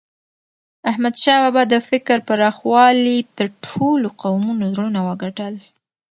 احمدشاه بابا د فکر پراخوالي د ټولو قومونو زړونه وګټل.